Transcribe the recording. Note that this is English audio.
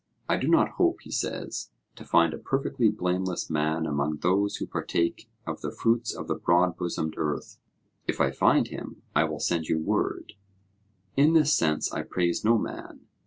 ('I do not hope' he says, 'to find a perfectly blameless man among those who partake of the fruits of the broad bosomed earth (if I find him, I will send you word); in this sense I praise no man.